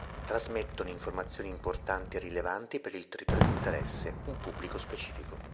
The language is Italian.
Trasmettono informazioni importanti e rilevanti per il territorio di interesse, un pubblico specifico.